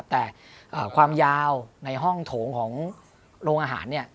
แต่ความยาวในห้องโถงของโรงอาหารเนี่ย